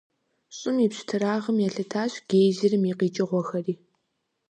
ЩӀым и пщтырагъым елъытащ гейзерым и къикӀыгъуэхэри.